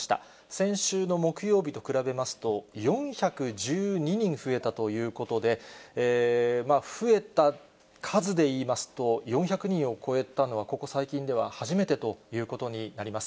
先週の木曜日と比べますと、４１２人増えたということで、増えた数で言いますと、４００人を超えたのは、ここ最近では初めてということになります。